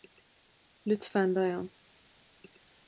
Lütfen dayan.